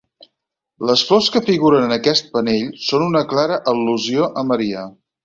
Les flors que figuren en aquest panell són una clara al·lusió a Maria.